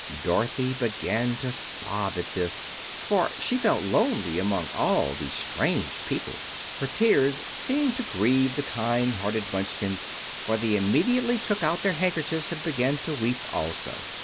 Dorothy began to sob at this, for she felt lonely among all these strange people. Her tears seemed to grieve the kind hearted Munchkins, for they immediately took out their handkerchiefs and began to weep also.